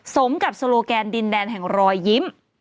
สมกับโซโลแกนดินแดนแห่งรอยยิ้ม